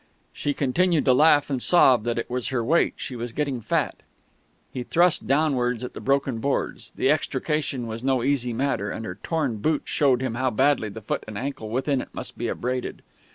She continued to laugh and sob that it was her weight she was getting fat He thrust downwards at the broken boards. The extrication was no easy matter, and her torn boot showed him how badly the foot and ankle within it must be abraded.